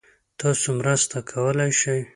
تاسو مرسته کولای شئ؟